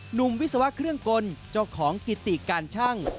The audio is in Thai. วิศวะเครื่องกลเจ้าของกิติการชั่ง